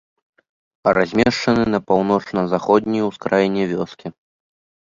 Размешчаны на паўночна-заходняй ускраіне вёскі.